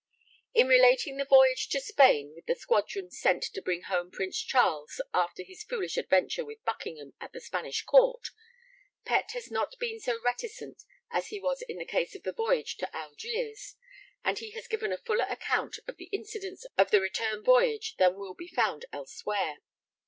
] In relating the voyage to Spain with the squadron sent to bring home Prince Charles after his foolish adventure with Buckingham at the Spanish Court, Pett has not been so reticent as he was in the case of the voyage to Algiers, and he has given a fuller account of the incidents of the return voyage than will be found elsewhere.